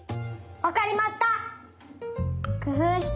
わかりました！